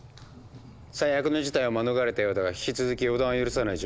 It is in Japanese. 最悪の事態は免れたようだが引き続き予断を許さない状況だな。